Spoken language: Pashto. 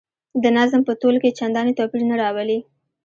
د نظم په تول کې چنداني توپیر نه راولي.